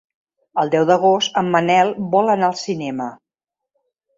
El deu d'agost en Manel vol anar al cinema.